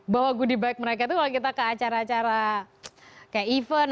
bahwa goodie bag mereka itu kalau kita ke acara acara kayak event